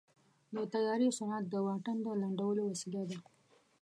د طیارې سرعت د واټن د لنډولو وسیله ده.